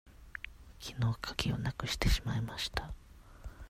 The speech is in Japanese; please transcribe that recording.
きのうかぎをなくしてしまいました。